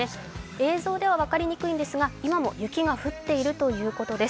映像では分かりにくいんですが今も雪が降っているということです。